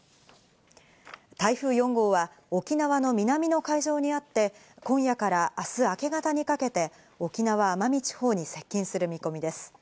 台風４号は、沖縄の南の海上にあって、今夜からあす明け方にかけて、沖縄・奄美地方に接近する見込みです。